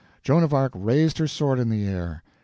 Joan of Arc raised her sword in the air.